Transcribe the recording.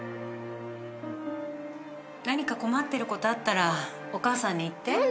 何か困ってることあったらお母さんに言って。